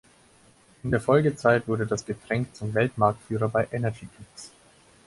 In der Folgezeit wurde das Getränk zum Weltmarktführer bei Energydrinks.